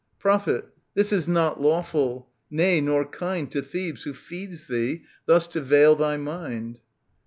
Prophet, this is not lawful ; nay, nor kind To Thebes, who feeds thee, thus to veil thy mind.